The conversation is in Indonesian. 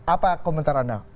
apa komentar anda